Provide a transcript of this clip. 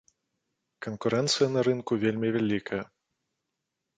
Канкурэнцыя на рынку вельмі вялікая.